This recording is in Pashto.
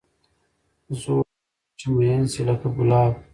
زوړ سړی چې مېن شي لکه ګلاب.